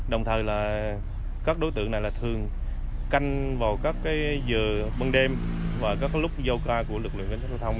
đồng thời các đối tượng này thường canh vào giờ bân đêm và các lúc giao ca của lực lượng kinh sát giao thông